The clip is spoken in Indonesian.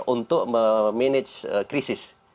untuk memanage krisis